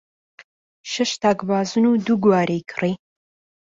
شەش تاک بازن و دوو گوارەی کڕی.